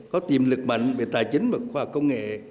có tiềm lực mạnh về tài chính và khoa học công nghệ